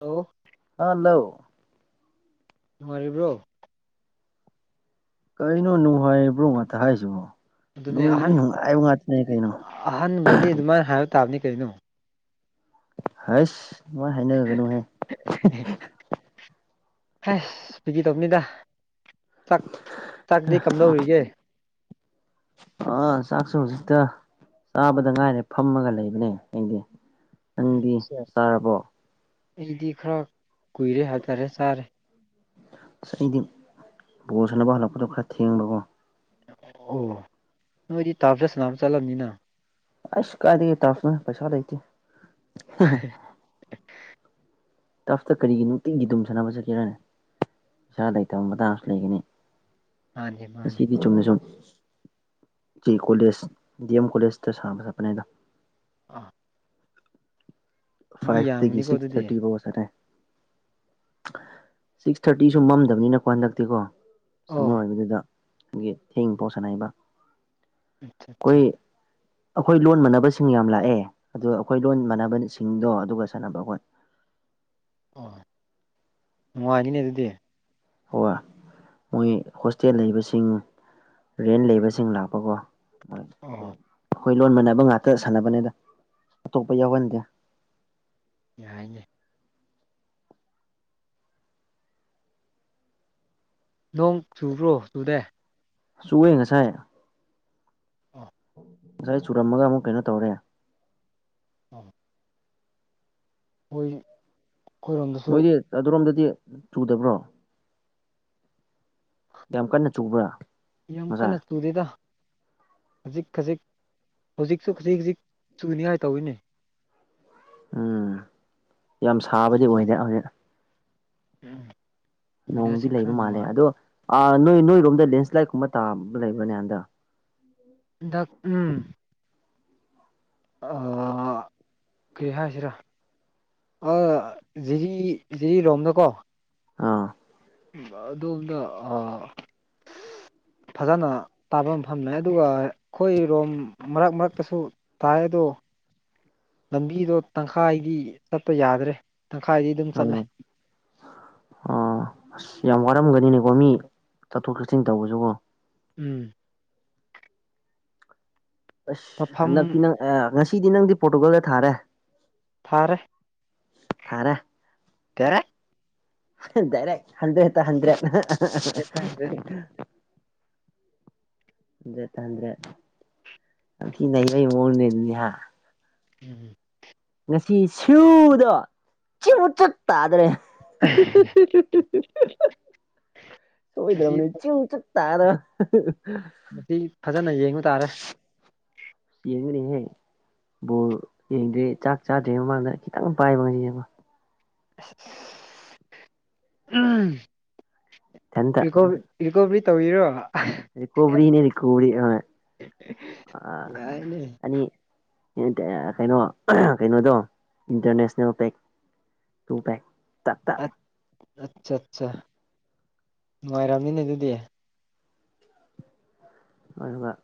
hello hello ꯅꯨꯡꯉꯥꯏꯔꯤꯕ꯭ꯔꯣ ꯀꯩꯔꯤꯅꯣ ꯅꯨꯡꯉꯥꯏꯔꯤꯕ꯭ꯔꯣ ꯉꯥꯛꯇ ꯍꯥꯏꯁꯤꯕꯣ ꯑꯗꯨꯅꯦ ꯅꯨꯡꯕꯨꯗꯤ ꯑꯍꯟ ꯅꯨꯡꯉꯥꯏꯕ ꯉꯥꯛꯇꯅꯦ ꯀꯩꯅꯣ ꯑꯍꯟꯗꯗꯤ ꯑꯗꯨꯃꯥꯏꯅ ꯍꯥꯏꯔꯛ ꯇꯥꯕꯅꯤ ꯀꯩꯅꯣ ꯍꯩꯁ ꯑꯗꯨꯃꯥꯏ ꯍꯥꯏꯅꯥꯒꯅꯣꯍꯦ ꯍꯥꯁ ꯐꯒꯤ ꯇꯧꯕꯅꯤꯗ ꯆꯥꯛ ꯆꯥꯛꯗꯤ ꯀꯝꯗꯧꯔꯤꯒꯦ ꯑꯥ ꯆꯥꯛꯁꯨ ꯍꯧꯖꯤꯛꯇ ꯆꯥꯕꯗ ꯉꯥꯏꯔꯦ ꯐꯝꯃꯒ ꯂꯩꯕꯅꯦ ꯑꯩꯗꯤ ꯅꯪꯗꯤ ꯆꯥꯔꯕꯣ ꯑꯩꯗꯤ ꯈꯔ ꯀꯨꯏꯔꯦ ꯍꯥꯏꯇꯥꯔꯦ ꯆꯥꯔꯦ ꯑꯁ ꯑꯩꯗꯤ ꯕꯣꯜ ꯁꯅꯕ ꯍꯜꯂꯛꯄꯗꯣ ꯈꯔ ꯊꯦꯡꯕꯀꯣ ꯑꯣ ꯅꯣꯏꯗꯤ ꯇꯥꯞꯗ ꯁꯅꯥꯕ ꯆꯠꯂꯝꯅꯤꯅ ꯑꯁ ꯀꯥꯏꯗꯒꯤ ꯇꯔꯞꯅꯣꯍꯦ ꯄꯩꯁꯥ ꯂꯩꯇꯦ ꯇꯞꯇ ꯀꯔꯤꯒꯤ ꯅꯨꯡꯇꯤꯒꯤ ꯑꯗꯨꯝ ꯁꯥꯟꯅꯕ ꯆꯠꯀꯦꯔꯅꯦ ꯄꯩꯁꯥ ꯂꯩꯇꯕ ꯃꯇꯥꯡꯁꯨ ꯂꯩꯒꯅꯤ ꯃꯥꯅꯦ ꯃꯥꯅꯦ ꯉꯁꯤꯗꯤ ꯆꯨꯝꯅ ꯁꯨꯝ ꯀꯣꯂꯦꯖ ꯗꯤ ꯑꯦꯝ ꯀꯣꯂꯦꯖꯇ ꯁꯥꯅꯕ ꯆꯠꯄꯅꯦꯗ ꯑ ꯐꯥꯏꯚꯇ ꯒꯤ ꯁꯤꯛꯁ ꯑꯗꯨꯗꯤ ꯊꯥꯔꯇꯤ ꯐꯥꯎ ꯁꯤꯛꯁ ꯊꯥꯔꯇꯤꯁꯨ ꯃꯝꯗꯕꯅꯤꯅꯀꯣ ꯍꯟꯗꯛꯇꯤꯀꯣ ꯑꯣ ꯁꯝꯃꯔ ꯑꯣꯏꯕꯗꯨꯗ ꯑꯩꯈꯣꯏꯒꯤ ꯊꯦꯡ ꯄꯥꯎ ꯁꯅꯩꯌꯦꯕ ꯑꯠꯆꯥ ꯑꯠꯆꯥ ꯑꯩꯈꯣꯏ ꯑꯩꯈꯣꯏ ꯂꯣꯟ ꯃꯥꯟꯅꯕꯁꯤꯡ ꯌꯥꯝ ꯂꯥꯛꯑꯦ ꯑꯗꯣ ꯑꯩꯈꯣꯏ ꯂꯣꯟ ꯃꯥꯟꯅꯕꯁꯤꯡꯗꯣ ꯑꯗꯨꯒ ꯁꯥꯟꯅꯕ ꯑꯩꯈꯣꯏ ꯑꯣ ꯅꯨꯡꯉꯥꯏꯅꯤꯅꯦ ꯑꯗꯨꯗꯤ ꯍꯣꯏ ꯃꯣꯏ ꯍꯣꯁꯇꯦꯜ ꯂꯩꯕꯁꯤꯡ ꯔꯦꯟ ꯂꯩꯕꯁꯤꯡ ꯂꯥꯛꯄꯀꯣ ꯑꯗꯨ ꯑꯣ ꯑꯩꯈꯣꯏ ꯂꯣꯟ ꯃꯅꯕ ꯉꯥꯛꯇ ꯁꯥꯟꯅꯕꯅꯤꯗ ꯑꯇꯣꯞꯄ ꯌꯥꯎꯍꯟꯗꯦ ꯌꯥꯏꯅꯦ ꯅꯣꯡ ꯆꯨꯕ꯭ꯔꯣ ꯆꯨꯗꯦ ꯆꯨꯋꯦꯉꯁꯥꯏ ꯑ ꯉꯁꯥꯏ ꯆꯨꯔꯝꯃꯒ ꯑꯃꯨꯛ ꯀꯩꯅꯣ ꯇꯧꯔꯦ [inaudible] ꯑꯈꯣꯏꯒꯤ ꯅꯣꯏꯗꯤ ꯑꯗꯨꯔꯣꯝꯗꯗꯤ ꯆꯨꯗꯕ꯭ꯔꯣ ꯌꯥꯝ ꯀꯟꯅ ꯆꯨꯕ꯭ꯔꯥ ꯌꯥꯝ ꯉꯁꯥꯏ ꯀꯟꯅ ꯆꯨꯗꯦꯗ ꯈꯖꯤꯛ ꯈꯖꯤꯛ ꯍꯧꯖꯤꯛꯁꯨ ꯈꯖꯤꯛ ꯈꯖꯤꯛ ꯆꯨꯅꯤ ꯉꯥꯏ ꯇꯧꯏꯅꯦ ꯎꯝ ꯌꯥꯝ ꯁꯥꯕꯗꯤ ꯑꯣꯏꯗꯦ ꯍꯧꯖꯤꯛ ꯎꯝ ꯅꯣꯡꯗꯤ ꯋꯦꯗꯔꯁꯦ ꯈꯔ ꯂꯩꯕ ꯃꯥꯜꯂꯦ ꯅꯨꯡꯉꯥꯏ ꯑꯗꯣ ꯅꯣꯏ ꯅꯣꯏꯔꯣꯝꯗ ꯂꯦꯟꯁ꯭ꯂꯥꯏꯠꯀꯨꯝꯕ ꯇꯥꯕ ꯂꯩꯕ꯭ꯔꯅꯦ ꯍꯥꯟꯗꯛ ꯗꯛ ꯎꯝ ꯑꯥ ꯀꯔꯤ ꯍꯥꯏꯁꯤꯔꯥ ꯑꯥ ꯖꯤꯔꯤ ꯖꯤꯔꯤꯔꯣꯝꯗꯀꯣ ꯑꯥ ꯑꯗꯣꯝꯗ ꯑꯥ ꯐꯖꯅ ꯇꯥꯕ ꯃꯐꯝꯅꯦ ꯑꯗꯨꯒ ꯈꯣꯏꯔꯣꯝ ꯃꯔꯛ ꯃꯔꯛꯇꯁꯨ ꯇꯥꯏꯗꯣ ꯂꯝꯕꯤꯗꯣ ꯇꯪꯈꯥꯏꯗꯤ ꯆꯠꯄ ꯌꯥꯗ꯭ꯔꯦ ꯇꯪꯈꯥꯏꯗꯤ ꯑꯗꯨꯝ ꯆꯠꯂꯦ ꯎꯝ ꯑꯣ ꯑꯁ ꯌꯥꯝ ꯋꯥꯔꯝꯒꯅꯤꯅꯦꯀꯣ ꯃꯤ ꯆꯠꯊꯣꯛ ꯆꯠꯁꯤꯟ ꯇꯧꯕꯁꯨꯀꯣ ꯎꯝ ꯑꯁ ꯃꯐꯝ ꯍꯟꯗꯛꯇꯤ ꯅꯪ ꯑꯥ ꯉꯁꯤꯗꯤ ꯅꯪꯗꯤ ꯄꯣꯔꯇꯨꯒꯥꯜꯗ ꯊꯥꯔꯦ ꯊꯔꯦ ꯊꯥꯔꯦ ꯒꯥꯔꯦ ꯗꯥꯏꯔꯦꯛ ꯍꯟꯗ꯭ꯔꯦꯠꯇ ꯍꯟꯗ꯭ꯔꯦꯠ ꯍꯟꯗ꯭ꯔꯦꯠ ꯍꯟꯗ꯭ꯔꯦꯠꯇ ꯍꯟꯗ꯭ꯔꯦꯠ ꯌꯥꯝꯊꯤ ꯂꯩꯅꯩꯕꯩ ꯃꯋꯣꯡꯅꯦ ꯂꯩꯔꯝꯅꯤꯍꯥ ꯎꯝ ꯉꯁꯤ ꯁꯤꯌꯨꯗꯣ ꯆꯤꯎ ꯆꯨꯠ ꯇꯥꯗꯣꯔꯦ [unintelligible] ꯉꯁꯤ ꯁꯣꯏꯗ꯭ꯔꯕꯅꯤ ꯆꯤꯎ ꯆꯨꯠ ꯇꯥꯗ ꯃꯁꯤ ꯐꯖꯅ ꯌꯦꯡꯕ ꯇꯥꯔꯦ ꯌꯦꯡꯉꯨꯅꯦꯍꯦ ꯕꯣꯜ ꯌꯦꯡꯗ꯭ꯔꯤ ꯆꯥꯛ ꯆꯥꯗ꯭ꯔꯤ ꯃꯃꯥꯡꯗ ꯈꯤꯇꯪ ꯄꯥꯏꯕꯅꯦ ꯌꯦꯡꯉꯣ ꯏꯁ ꯏꯁ ꯑꯍꯝ ꯏꯊꯟꯇ ꯏꯈꯣꯏ ꯔꯤꯀꯣꯕꯔꯤ ꯇꯧꯔꯤꯔꯣ ꯔꯤꯀꯣꯕꯔꯤꯅꯦ ꯔꯤꯀꯣꯕꯔꯤ ꯑꯥ ꯑꯥ ꯌꯥꯏꯅꯦ ꯑꯅꯤ ꯀꯩꯅꯣ ꯀꯩꯅꯣꯗꯣ ꯏꯟꯇꯔꯅꯦꯁꯅꯦꯜ ꯄꯦꯛ [unintelligible] ꯑꯠꯆꯥ ꯆꯥ ꯅꯨꯡꯉꯥꯏꯔꯝꯅꯤꯅꯦ ꯑꯗꯨꯗꯤ ꯍꯣꯏ ꯍꯣꯏ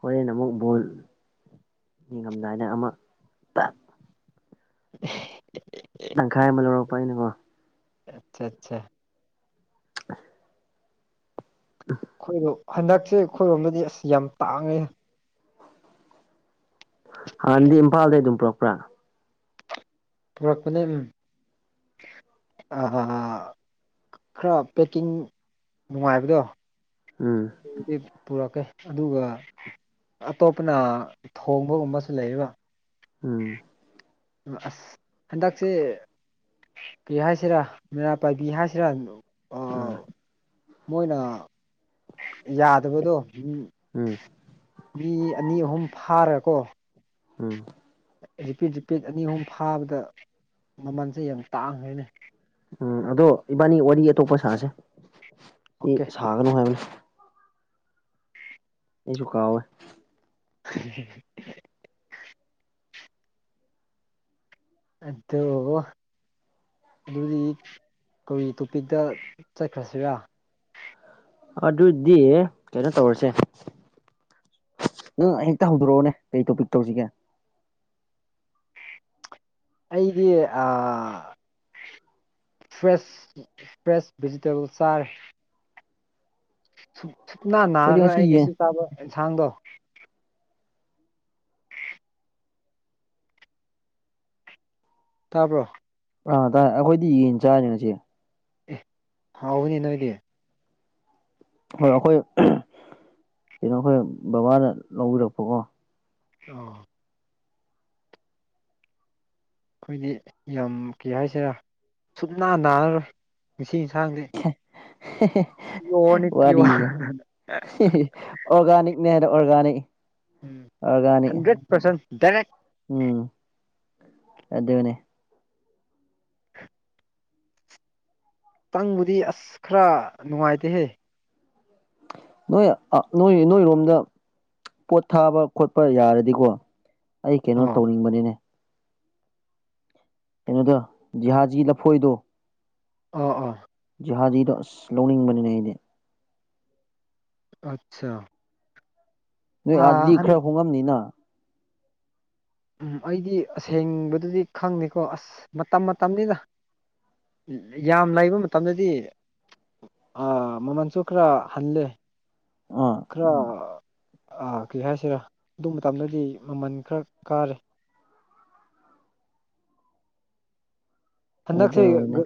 ꯍꯣꯔꯦꯟ ꯑꯃꯨꯛ ꯕꯣꯜ ꯌꯦꯡꯉꯝꯗꯥꯏꯗ ꯑꯃ ꯇꯛ [unintelligible] ꯇꯪꯈꯥꯏ ꯑꯃ ꯂꯧꯔꯛꯄ ꯑꯩꯅꯀꯣ ꯑꯠꯆꯥ ꯆꯥ [unintelligible] [unintelligible] ꯈꯣꯏꯔꯣ ꯍꯟꯗꯛꯁꯦ ꯈꯣꯏꯔꯣꯝꯗꯗꯤ ꯑꯁ ꯌꯥꯝ ꯇꯥꯡꯉꯦ ꯍꯥꯟꯅꯗꯤ ꯏꯝꯐꯥꯜꯗꯩ ꯑꯗꯨꯝ ꯄꯨꯔꯛꯄ꯭ꯔꯥ ꯄꯨꯔꯛꯄꯅꯦ ꯎꯝ ꯑꯥ ꯑꯥ ꯑꯥ ꯈꯔ ꯄꯦꯛꯀꯤꯡ ꯅꯨꯡꯉꯥꯏꯕꯗꯣ ꯎꯝ ꯄꯨꯕꯗꯤ ꯄꯨꯔꯛꯀꯦ ꯑꯗꯨꯒ ꯑꯇꯣꯞꯄꯅ ꯊꯣꯡꯕꯒꯨꯝꯕꯁꯨ ꯂꯩꯌꯦꯀꯣ ꯎꯝ ꯑꯁ ꯍꯟꯗꯛꯁꯦ ꯀꯔꯤ ꯍꯥꯏꯁꯤꯔꯥ ꯃꯩꯔꯥ ꯄꯥꯏꯕꯤ ꯍꯥꯏꯁꯤꯔꯥ ꯎꯝ ꯃꯣꯏꯅ ꯌꯥꯗꯕꯗꯣ ꯃꯤ ꯎꯝ ꯃꯤ ꯑꯅꯤ ꯑꯍꯨꯝ ꯐꯥꯔꯀꯣ ꯎꯝ ꯔꯤꯄꯤꯠ ꯔꯤꯄꯤꯠ ꯑꯅꯤ ꯑꯍꯨꯝ ꯐꯥꯕꯗ ꯃꯃꯜꯁꯦ ꯌꯥꯝ ꯇꯥꯡꯉꯦꯅꯦ ꯎꯝ ꯑꯗꯣ ꯏꯕꯥꯟꯅꯤ ꯋꯥꯔꯤ ꯑꯇꯣꯞꯄ ꯁꯥꯁꯦ ꯁꯤ ꯑꯣꯀꯦ ꯁꯥꯒꯅꯣ ꯍꯥꯏꯕꯅꯤ ꯑꯩꯁꯨꯨ ꯀꯥꯎꯋꯦ [unintelligible] ꯑꯗꯣ ꯑꯗꯨꯗꯤ ꯀꯔꯤ ꯇꯣꯄꯤꯛꯇ ꯆꯠꯈ꯭ꯔꯁꯤꯔꯥ ꯑꯗꯨꯗꯤ ꯀꯩꯅꯣ ꯇꯧꯔꯁꯦ ꯅꯪ ꯍꯦꯛꯇ ꯍꯧꯗꯣꯔꯛꯑꯣꯅꯦ ꯀꯩ ꯇꯣꯄꯤꯛ ꯇꯧꯁꯤꯒꯦ ꯑꯩꯗꯤ ꯑꯥ ꯐ꯭ꯔꯦꯁ ꯐ꯭ꯔꯦꯁ ꯚꯤꯖꯤꯇꯦꯕꯜ ꯆꯥꯔꯦ ꯁꯨꯞ ꯁꯨꯞꯅ ꯑꯩꯈꯣꯏꯗꯤ ꯅꯥꯔꯔꯣꯏ ꯑꯩ ꯌꯦꯟ ꯉꯁꯤ ꯆꯥꯕ ꯏꯟꯁꯥꯡꯗꯣ ꯇꯥꯕ꯭ꯔꯣ ꯑꯥ ꯇꯥꯏ ꯑꯩꯈꯣꯏꯗꯤ ꯌꯦꯟ ꯆꯥꯏꯅꯦ ꯉꯁꯤ ꯑꯦ ꯍꯥꯎꯋꯦꯅꯦ ꯅꯣꯏꯗꯤ ꯍꯣꯏ ꯑꯈꯣꯏ ꯀꯩꯅꯣ ꯈꯣꯏ ꯕꯕꯥꯅ ꯂꯧꯕꯤꯔꯛꯄꯀꯣ ꯑꯣ ꯑꯩꯈꯣꯏꯗꯤ ꯌꯥꯝ ꯀꯩ ꯍꯥꯏꯁꯤꯔꯥ ꯁꯨꯞꯅꯥ ꯅꯥꯔꯔꯣꯏ ꯉꯁꯤ ꯏꯟꯁꯥꯡꯗꯤ [unintelligible] ꯄꯤꯌꯣꯔꯅꯤ ꯄꯤꯌꯣꯔ ꯋꯥꯔꯤꯁꯦ ꯑꯣꯔꯒꯥꯅꯤꯛꯅꯦ ꯍꯥꯏꯗꯣ ꯑꯣꯔꯒꯥꯅꯤꯛ ꯎꯝ ꯑꯣꯔꯒꯥꯅꯤꯛ ꯍꯟꯗ꯭ꯔꯦꯠ ꯄꯔꯁꯦꯟ ꯗꯥꯏꯔꯦꯛ ꯎꯝ ꯑꯗꯨꯅꯦ ꯄꯪꯕꯨꯗꯤ ꯑꯁ ꯈꯔ ꯅꯨꯡꯉꯥꯏꯇꯦꯍꯦ ꯅꯣꯏ ꯅꯣꯏ ꯅꯣꯏꯔꯣꯝꯗ ꯄꯣꯠ ꯊꯥꯕ ꯈꯣꯠꯄ ꯌꯥꯔꯗꯤꯀꯣ ꯑꯩ ꯀꯩꯅꯣ ꯑꯣ ꯇꯧꯅꯤꯡꯕꯅꯤꯅꯦ ꯀꯩꯅꯣꯗ ꯖꯤꯍꯥꯖꯤ ꯂꯐꯣꯏꯗꯣ ꯑꯥ ꯑꯥ ꯖꯥꯍꯥꯖꯤꯗꯣ ꯑꯁ ꯂꯧꯅꯤꯡꯕꯅꯤꯅꯦ ꯑꯩꯗꯤ ꯑꯠꯆꯥ ꯅꯣꯏ ꯑ ꯑꯥꯗꯗꯤ ꯍꯟ ꯈꯔ ꯍꯣꯡꯉꯝꯅꯤꯅ ꯎꯝ ꯑꯩꯗꯤ ꯑꯁꯦꯡꯕꯗꯨꯗꯤ ꯈꯪꯗꯦꯀꯣ ꯑꯁ ꯃꯇꯝ ꯃꯇꯝꯅꯤꯗ ꯌꯥꯝ ꯂꯩꯕ ꯃꯇꯝꯗꯗꯤ ꯑꯥ ꯃꯃꯜꯁꯨ ꯈꯔ ꯍꯜꯂꯦ ꯑꯥ ꯈꯔ ꯑꯥ ꯀꯩ ꯍꯥꯏꯁꯤꯔꯥ ꯑꯗꯨ ꯃꯇꯝꯗꯗꯤ ꯃꯃꯟ ꯈꯔ ꯀꯥꯔꯦ ꯀꯩꯅꯣ ꯍꯟꯗꯛꯁꯦ ꯇꯧꯋꯤꯅꯦ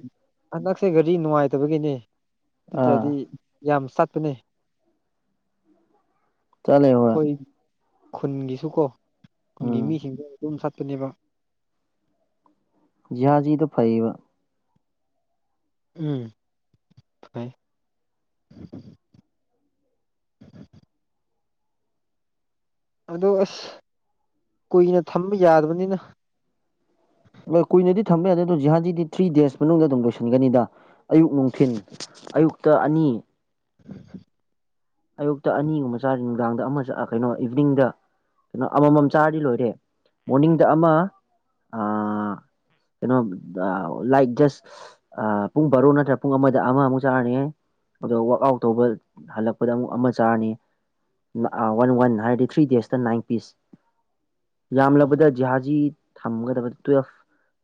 ꯍꯟꯗꯛꯁꯦ ꯒꯥꯔꯤ ꯅꯨꯡꯉꯥꯏꯇꯕꯒꯤꯅꯦ ꯅꯠꯇ꯭ꯔꯗꯤ ꯑꯥ ꯌꯥꯝ ꯆꯠꯄꯅꯦ ꯆꯠꯂꯦ ꯍꯣꯏ ꯑꯈꯣꯏ ꯈꯨꯟꯒꯤꯁꯨꯀꯣ ꯈꯨꯟꯒꯤ ꯎꯝ ꯃꯤꯁꯤꯡꯗꯣ ꯑꯗꯨꯝ ꯆꯠꯄꯅꯦꯕ ꯖꯤꯍꯥꯖꯤꯗꯣ ꯐꯩꯌꯦꯕ ꯎꯝ ꯐꯩ ꯑꯗꯣ ꯑꯁ ꯀꯨꯏꯅ ꯊꯝꯕ ꯌꯥꯗꯕꯅꯤꯅ ꯀꯨꯏꯅꯗꯤ ꯊꯝꯕ ꯌꯥꯗꯦ ꯑꯗꯣ ꯖꯤꯍꯥꯖꯤꯗꯤ ꯊ꯭ꯔꯤ ꯗꯦꯖ ꯃꯅꯨꯡꯗ ꯑꯗꯨꯝ ꯂꯣꯏꯁꯤꯟꯒꯅꯤꯗ ꯑꯌꯨꯛ ꯅꯨꯡꯊꯤꯟ ꯑꯌꯨꯛꯇ ꯑꯅꯤ ꯑꯌꯨꯛꯇ ꯑꯅꯤꯒꯨꯝꯕ ꯆꯥꯔ ꯅꯨꯡꯗꯥꯡꯗ ꯑꯃ ꯆꯥ ꯀꯩꯅꯣ ꯏꯚꯤꯅꯤꯡꯗ ꯀꯩꯅꯣ ꯑꯃꯃꯝ ꯆꯥꯔꯗꯤ ꯂꯣꯏꯔꯦ ꯃꯣꯔꯅꯤꯡꯗ ꯑꯃ ꯑꯥ ꯀꯩꯅꯣ ꯂꯥꯏꯛ ꯖꯁ ꯑ ꯄꯨꯡ ꯕꯥꯔꯣ ꯅꯠꯇ꯭ꯔ ꯄꯨꯡ ꯑꯃꯗ ꯑꯃꯃꯨꯛ ꯆꯥꯔꯅꯤ ꯑꯗꯣ ꯋꯥꯛ ꯑꯥꯎꯠ ꯇꯧꯕ ꯍꯜꯂꯛ ꯄꯗꯃꯨꯛ ꯑꯃ ꯆꯥꯔꯅꯤ ꯑ ꯋꯥꯟ ꯋꯥꯟ ꯍꯥꯏꯗꯤ ꯊ꯭ꯔꯤ ꯗꯦꯖꯇ ꯅꯥꯏꯟ ꯄꯤꯁ ꯌꯥꯝꯂꯕꯗ ꯖꯤꯍꯥꯖꯤ ꯊꯝꯒꯗꯕ ꯇꯨꯋꯦꯜꯐ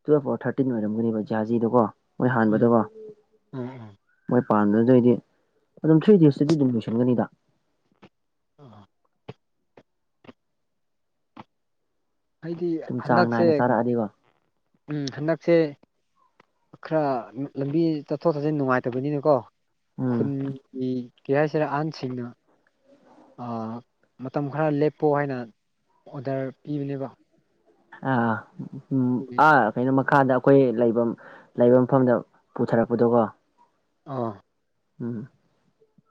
ꯇꯨꯋꯦꯜꯐ ꯑꯣꯔ ꯊꯥꯔꯇꯤꯟ ꯑꯣꯏꯔꯝꯒꯅꯦꯕ ꯖꯤꯍꯥꯖꯤꯗꯣ ꯀꯣ ꯃꯣꯏ ꯎꯝ ꯍꯥꯟꯕꯗꯀꯣ ꯎꯝ ꯃꯣꯏ ꯄꯥꯟꯕꯗꯩꯗꯤ ꯑꯗꯨꯝ ꯊ꯭ꯔꯤ ꯗꯦꯖꯇꯗꯤ ꯑꯗꯨꯝ ꯂꯣꯏꯁ ꯒꯅꯤꯗ [inaudible] ꯑꯩꯗꯤ ꯑꯗꯨꯝ ꯆꯥꯡ ꯍꯟꯗꯛꯁꯦ ꯅꯥꯏꯅ ꯆꯥꯔꯛꯑꯗꯤꯀꯣ ꯎꯝ ꯍꯟꯗꯛꯁꯦ ꯈꯔ ꯂꯝꯕꯤ ꯆꯠꯊꯣꯛ ꯆꯠꯁꯤꯟ ꯅꯨꯡꯉꯥꯏꯇꯕꯅꯤꯅꯀꯣ ꯎꯝ ꯈꯨꯟꯒꯤ ꯀꯩ ꯍꯥꯏꯁꯤꯔ ꯑꯍꯟꯁꯤꯡꯅ ꯑ ꯃꯇꯝ ꯈꯔ ꯂꯦꯞꯄꯣ ꯍꯥꯏꯅ ꯑꯣꯗꯔ ꯄꯤꯕꯅꯦꯕ ꯑꯥ ꯎꯝ ꯑꯗꯨꯒꯤ ꯑꯥ ꯑꯩꯅ ꯃꯈꯥꯗ ꯑꯩꯈꯣꯏ ꯂꯩꯕꯝ ꯂꯩꯕ ꯃꯐꯝꯗ ꯄꯨꯊꯔꯛꯄꯗꯣꯀꯣ ꯑꯥ ꯎꯝ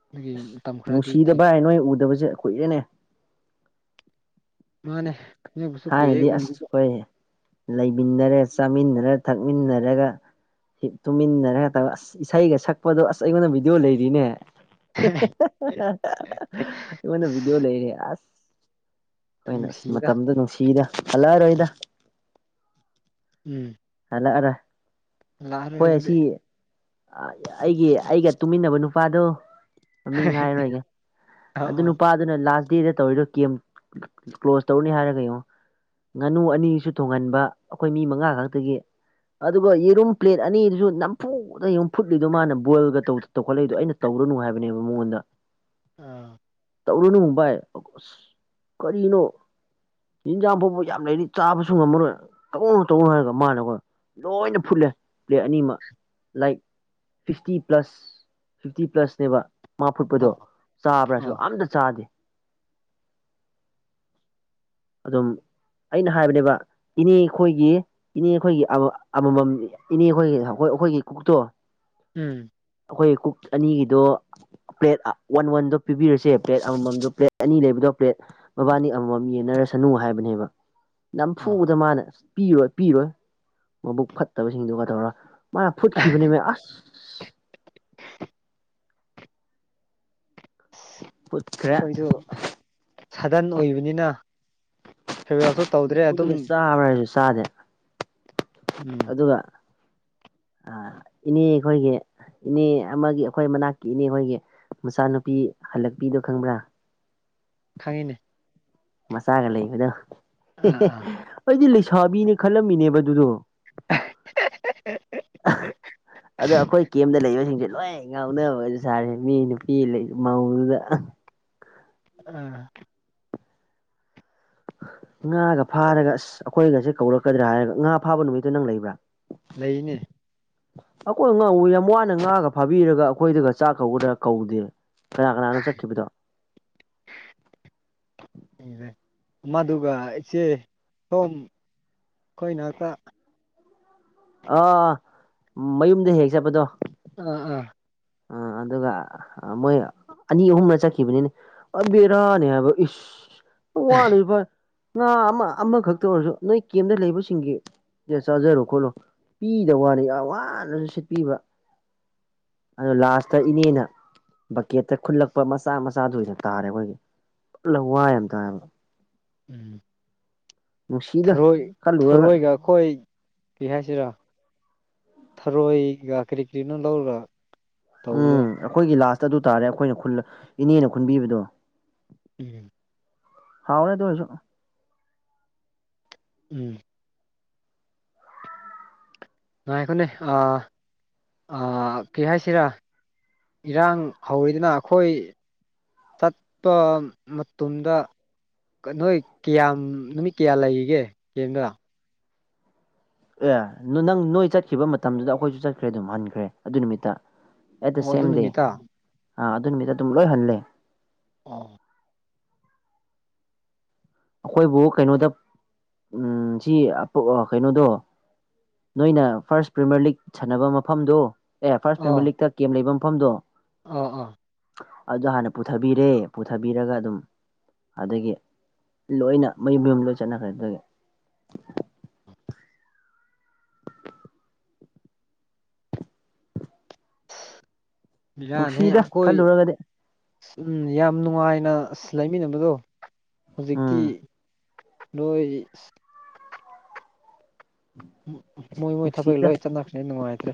ꯑꯗꯨꯒꯤ ꯑꯁ ꯃꯇꯝ ꯈꯔꯗꯤ ꯅꯨꯡꯁꯤꯗ ꯊꯤ ꯕꯥꯏ ꯅꯣꯏ ꯎꯗꯕꯁꯦ ꯀꯨꯏꯔꯦꯅꯦ ꯃꯥꯅꯦ ꯅꯣꯏꯕꯨꯁꯨ ꯀꯨꯏꯔꯦ ꯊꯥꯏꯅꯗꯤ ꯑꯁ ꯎꯏꯗꯕ ꯑꯩꯈꯣꯏ ꯂꯩꯃꯤꯟꯅꯔꯥ ꯆꯥꯃꯤꯟꯅꯔꯥ ꯊꯛꯃꯤꯟꯅꯔꯒ ꯇꯨꯃꯤꯟꯅꯔꯒ ꯇꯧ ꯑꯁ ꯏꯁꯩꯒ ꯁꯛꯄꯗꯣ ꯑꯁ ꯑꯩꯉꯣꯟꯗ ꯚꯤꯗꯤꯌꯣ ꯂꯩꯔꯤꯅꯦ ꯑꯩꯉꯣꯟꯗ ꯑꯁ ꯚꯤꯗꯤꯌꯣ ꯂꯩꯌꯦ ꯑꯁ ꯍꯣꯏꯅ ꯑꯁ ꯅꯨꯡꯁꯤꯗ ꯃꯇꯝꯗꯣ ꯅꯨꯡꯁꯤꯗ ꯍꯜꯂꯛꯑꯔꯣꯏꯗ ꯎꯝ ꯍꯜꯂꯛꯑꯔꯣꯏ ꯂꯥꯛꯑꯔꯣꯏ ꯑꯩꯈꯣꯏ ꯑꯗꯨꯗꯤ ꯑꯁꯤ ꯑ ꯑꯩꯒꯤ ꯑꯩꯒ ꯇꯨꯃꯤꯟꯅꯕ ꯅꯨꯄꯥꯗꯣ ꯃꯃꯤꯡ ꯍꯥꯏꯔꯔꯣꯏꯒꯦ ꯑꯥ ꯑꯗꯨ ꯑꯥ ꯅꯨꯄꯥ ꯑꯗꯨꯅ ꯂꯥꯁ ꯗꯦꯗ ꯇꯧꯔꯤꯗꯣ ꯀꯦꯝ ꯀ꯭ꯂꯣꯖ ꯇꯧꯔꯅꯤ ꯍꯥꯏꯔꯒ ꯌꯦꯡꯉꯣ ꯉꯥꯅꯨ ꯑꯅꯤꯁꯨ ꯊꯣꯡꯍꯟꯕ ꯑꯩꯈꯣꯏ ꯃꯤ ꯃꯉꯥ ꯈꯛꯇꯒꯤ ꯑꯗꯨꯒ ꯌꯦꯔꯨꯝ ꯄ꯭ꯂꯦꯠ ꯑꯅꯤꯗꯨꯁꯨ ꯅꯝꯐꯨꯗ ꯌꯨꯡꯉꯣ ꯐꯨꯠꯂꯤꯗꯣ ꯃꯥꯅ ꯕꯣꯏꯜꯒ ꯇꯧꯗ ꯇꯧꯈꯠꯂꯛꯏꯗꯣ ꯑꯩꯅ ꯇꯧꯔꯅꯨ ꯍꯥꯏꯕꯅꯦꯕ ꯃꯉꯣꯟꯗ ꯑꯥ ꯇꯧꯔꯨꯅꯨ ꯕꯥꯏ ꯑꯁ ꯀꯔꯤꯅꯣ ꯌꯦꯟꯖꯥꯡ ꯐꯥꯎꯕ ꯌꯥꯝ ꯂꯩꯔꯤ ꯆꯥꯕꯁꯨ ꯉꯝꯃꯔꯣꯏ ꯇꯧꯅꯨ ꯇꯧꯅꯨ ꯍꯥꯏꯔꯒ ꯃꯥꯅ ꯈꯣꯏ ꯂꯣꯏꯅ ꯐꯨꯜꯂꯦ ꯄꯂꯦꯠ ꯑꯅꯤꯃꯛ ꯂꯥꯏꯛ ꯐꯤꯞꯇꯤ ꯄꯂꯁ ꯐꯤꯞꯇꯤ ꯄꯂꯁꯅꯦꯕ ꯃꯥ ꯑꯥ ꯐꯨꯠꯄꯗꯣ ꯆꯥꯕ꯭ꯔꯥꯁꯨ ꯑꯥ ꯑꯝꯇ ꯆꯥꯗꯦ ꯑꯗꯨꯝ ꯑꯩꯅ ꯍꯥꯏꯕꯅꯦꯕ ꯏꯅꯦ ꯑꯩꯈꯣꯏꯒꯤ ꯏꯅꯦ ꯑꯩꯈꯣꯏꯒꯤ ꯑꯃꯃꯝ ꯏꯅꯦ ꯑꯩꯈꯣꯏꯒꯤ ꯑꯩꯈꯣꯏꯒꯤ ꯀꯛꯇꯣ ꯎꯝ ꯑꯩꯈꯣꯏ ꯀꯨꯛ ꯑꯅꯤꯒꯤꯗꯣ ꯄ꯭ꯂꯦꯠ ꯋꯥꯟ ꯋꯥꯟꯗꯣ ꯄꯤꯕꯤꯔꯁꯦ ꯄ꯭ꯂꯦꯠ ꯑꯃꯃꯝꯗꯣ ꯄ꯭ꯂꯦꯠ ꯑꯅꯤ ꯂꯩꯕꯗꯣ ꯄ꯭ꯂꯦꯠ ꯃꯕꯥꯅꯤ ꯑꯃꯃꯝ ꯌꯦꯟꯅꯔꯁꯅꯨ ꯍꯥꯏꯕꯅꯦꯕ ꯑꯥ ꯅꯝꯐꯨꯗ ꯃꯥꯅ ꯄꯤꯔꯣꯏ ꯄꯤꯔꯣꯏ ꯃꯕꯨꯛ ꯐꯠꯇꯕꯁꯤꯡꯗꯨꯒ ꯇꯧꯔꯒ ꯃꯥꯅ ꯐꯨꯠꯈꯤꯕꯅꯤ ꯃꯦ ꯑꯁ ꯐꯨꯠꯈ꯭ꯔꯦ ꯑꯩꯈꯣꯏꯁꯨ ꯁꯥꯗꯟ ꯑꯣꯏꯕꯅꯤꯅ ꯐꯤꯌꯥꯋꯦꯜꯁꯨ ꯇꯧꯗ꯭ꯔꯦ ꯑꯗꯨꯝ ꯆꯕ꯭ꯔꯥ ꯍꯥꯏꯁꯨ ꯆꯥꯗꯦ ꯎꯝ ꯑꯗꯨꯒ ꯑꯥꯥ ꯏꯅꯦ ꯈꯣꯏꯒꯤ ꯏꯅꯦ ꯑꯃꯒꯤ ꯑꯩꯈꯣꯏ ꯃꯅꯥꯛꯀꯤ ꯏꯅꯦ ꯍꯣꯏꯒꯤ ꯃꯆꯥꯅꯨꯄꯤ ꯍꯜꯂꯛꯄꯤꯗꯣ ꯈꯪꯕ꯭ꯔꯥ ꯈꯡꯉꯤꯅꯦ ꯃꯆꯥꯒ ꯂꯩꯕꯗꯣ ꯑꯥ ꯑꯥ ꯑꯩꯗꯤ ꯂꯩꯁꯥꯕꯤꯅꯦ ꯈꯜꯂꯝꯃꯤꯅꯦꯕ ꯑꯗꯨꯗꯣ ꯑꯗꯣ ꯑꯩꯈꯣꯏ ꯀꯦꯝꯗ ꯂꯩꯕꯁꯤꯡꯁꯦ ꯂꯣꯏ ꯉꯥꯎꯅꯕꯁꯨ ꯁꯥꯔꯦ ꯃꯤ ꯅꯨꯄꯤ ꯂꯩ ꯃꯧꯗꯨꯗ ꯑꯝ ꯉꯥꯒ ꯐꯥꯔꯒ ꯑꯁ ꯑꯩꯈꯣꯏꯒꯁꯦ ꯀꯧꯔꯛꯀꯗ꯭ꯔꯥ ꯍꯥꯏꯔꯒ ꯉꯥ ꯐꯥꯕ ꯅꯨꯃꯤꯠꯇꯨ ꯅꯪ ꯂꯩꯕ꯭ꯔꯥ ꯂꯩꯅꯦ ꯑꯩꯈꯣꯏ ꯉ ꯌꯥꯝ ꯋꯥꯅ ꯉꯥꯒ ꯐꯥꯕꯤꯔꯒ ꯑꯩꯈꯣꯏꯗꯒ ꯆꯥꯛ ꯀꯧꯒꯗ꯭ꯔꯒ ꯀꯧꯗꯦꯕ ꯀꯅꯥ ꯀꯅꯥꯅꯣ ꯆꯠꯈꯤꯕꯗꯣ [unintelligible] [unintelligible] ꯃꯗꯨꯒ ꯏꯆꯦ ꯁꯣꯝ ꯑꯩꯈꯣꯏ ꯅꯛꯇ ꯑꯥ ꯃꯌꯨꯝꯗ ꯍꯦꯛ ꯆꯠꯄꯗꯣ ꯑꯥ ꯑꯥ ꯑ ꯑꯗꯨꯒ ꯃꯣꯏ ꯑꯅꯤ ꯑꯍꯨꯝꯔ ꯆꯠꯈꯤꯕꯅꯤꯅꯦ ꯑꯥ ꯕꯦꯔꯥꯅꯦ ꯍꯥꯏꯕ ꯏꯁ ꯋꯥꯅꯁꯨ ꯐꯥꯏ ꯉꯥ ꯑꯃ ꯑꯃꯈꯛꯇ ꯑꯣꯏꯔꯁꯨ ꯅꯣꯏ ꯀꯦꯝꯗ ꯂꯩꯕꯁꯤꯡꯒꯤ ꯆꯥꯖꯔꯣ ꯈꯣꯠꯂꯣ ꯄꯤꯗꯕ ꯋꯥꯅꯤ ꯌꯥꯝ ꯋꯥꯅꯁꯨ ꯁꯤꯠꯄꯤꯕ ꯑꯗꯨꯒ ꯂꯥꯁꯇ ꯏꯅꯦꯅ ꯕꯛꯀꯦꯠꯇ ꯈꯨꯜꯂꯛꯄ ꯃꯆꯥ ꯃꯆꯥꯗꯨ ꯑꯣꯏꯅ ꯇꯥꯔꯦ ꯑꯩꯈꯣꯏꯒꯤ ꯄꯨꯔ ꯂꯧꯋꯥꯏ ꯌꯥꯝ ꯇꯥꯏꯕ ꯎꯝ ꯅꯨꯡꯁꯤꯗ ꯊꯔꯣꯏ ꯈꯜꯂꯨꯔꯒ ꯊꯔꯣꯏꯒ ꯑꯩꯈꯣꯏ ꯀ꯭ꯔꯤ ꯍꯥꯏꯁꯤꯔꯥ ꯊꯔꯣꯏꯒ ꯀ꯭ꯔꯤ ꯀ꯭ꯔꯤꯅꯣ ꯂꯧꯔꯒ ꯇꯧꯕꯗꯣ ꯎꯝ ꯑꯩꯈꯣꯏꯒꯤ ꯂꯥꯁꯇ ꯑꯗꯨ ꯇꯥꯔꯦ ꯑꯩꯈꯣꯏꯅ ꯈꯨꯜ ꯏꯅꯦꯅ ꯈꯨꯟꯕꯤꯕꯗꯣ ꯎꯝ ꯍꯥꯎꯔꯦ ꯑꯗꯨ ꯑꯣꯏꯁꯨ ꯎꯝ ꯉꯥꯏꯈꯣꯅꯦ ꯑꯥ ꯑꯥ ꯀ꯭ꯔꯤ ꯍꯥꯏꯁꯤꯔꯥ ꯏꯔꯥꯡ ꯍꯧꯋꯤꯗꯅ ꯑꯩꯈꯣꯏ ꯆꯠꯄ ꯃꯇꯝꯗ ꯅꯣꯏ ꯀꯌꯥꯝ ꯅꯨꯃꯤꯠ ꯀꯌꯥ ꯂꯩꯔꯤꯒꯦ ꯀꯦꯝꯗ ꯑꯦ ꯅꯪ ꯅꯣꯏ ꯆꯠꯈꯤꯕ ꯃꯇꯝꯗꯨꯗ ꯑꯩꯈꯣꯏꯁꯨ ꯆꯠꯈ꯭ꯔꯦ ꯑꯗꯨꯝ ꯍꯟꯈ꯭ꯔꯦ ꯑꯗꯨ ꯅꯨꯃꯤꯠꯇ ꯑꯦꯠ ꯗ ꯑꯣ ꯑꯗꯨ ꯁꯦꯝ ꯗꯦ ꯅꯨꯃꯤꯠꯇ ꯑ ꯑꯗꯨ ꯅꯨꯃꯤꯠꯇ ꯑꯗꯨꯝ ꯂꯣꯏꯍꯜꯂꯦ ꯑꯣ ꯑꯩꯈꯣꯏꯕꯨ ꯀꯩꯅꯣꯗ ꯎꯝ ꯁꯤ ꯑꯥ ꯄꯛ ꯀꯩꯅꯣꯗꯣ ꯅꯣꯏꯅ ꯐꯥꯔꯁ ꯄ꯭ꯔꯤꯃꯤꯌꯔ ꯂꯤꯒ ꯁꯥꯟꯅꯕ ꯃꯐꯝꯗꯣ ꯑꯦ ꯐꯥꯔꯁ ꯑꯣ ꯐꯦꯃꯤꯂꯤꯛꯇ ꯀꯦꯝ ꯂꯩꯕ ꯃꯐꯝꯗꯣ ꯑꯣ ꯑꯣ ꯑꯗꯨ ꯍꯥꯟꯅ ꯄꯨꯊꯕꯤꯔꯦ ꯄꯨꯊꯕꯤꯔꯒ ꯑꯗꯨꯝ ꯑꯗꯒꯤ ꯂꯣꯏꯅ ꯃꯌꯨꯝ ꯃꯌꯨꯝꯗꯥ ꯂꯣꯏ ꯆꯠꯅꯈ꯭ꯔꯦ ꯑꯗꯨꯒꯤ ꯕꯤꯔꯥꯅꯦ ꯅꯨꯡꯁꯤꯗ ꯑꯈꯣꯏ ꯈꯜꯂꯨꯔꯒꯗꯤ ꯎꯝ ꯌꯥꯝ ꯅꯨꯡꯉꯥꯏꯅ ꯑꯁ ꯂꯩꯃꯤꯟꯅꯕꯗꯣ ꯍꯧꯖꯤꯛꯇꯤ ꯎꯝ ꯅꯣꯏ ꯃꯣꯏ ꯃꯣꯏ ꯊꯕꯛ ꯅꯨꯡꯁꯤꯗ ꯂꯣꯏ ꯆꯠꯅꯈꯔꯦ ꯅꯨꯡꯉꯥꯏꯇ꯭ꯔꯦ